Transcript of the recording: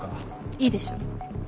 いいでしょう。